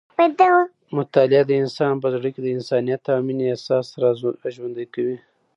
مطالعه د انسان په زړه کې د انسانیت او مینې احساس راژوندی کوي.